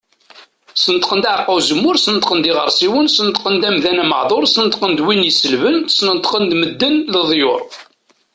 Sneṭqen-d aɛeqqa uzemmur, Sneṭqen-d iɣersiwen, Sneṭqen-d amdan ameɛdur, Sneṭqen-d win iselben, Sneṭqen-d medden leḍyur.